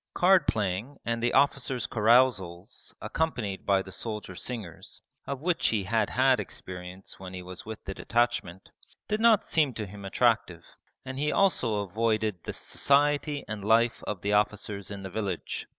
Cardplaying and the officers' carousals accompanied by the soldier singers, of which he had had experience when he was with the detachment, did not seem to him attractive, and he also avoided the society and life of the officers in the village.